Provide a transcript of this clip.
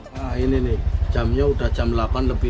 nah ini nih jamnya sudah jam delapan lebih lima